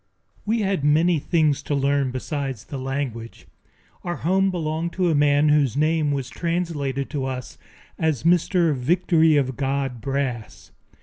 We had many things to learn besides the language. Our home belonged to a man whose name was translated to us as Mr. Victory of God Brass.